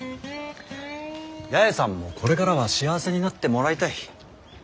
八重さんもこれからは幸せになってもらいたい。